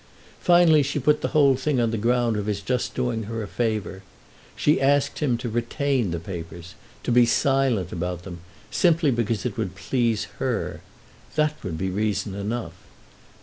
Finally she put the whole thing on the ground of his just doing her a favour. She asked him to retain the papers, to be silent about them, simply because it would please her. That would be reason enough.